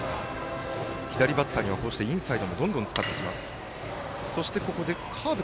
左バッターにはインサイドもどんどん使ってきます。